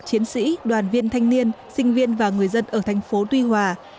chiến sĩ đoàn viên thanh niên sinh viên và người dân ở thành phố tuy hòa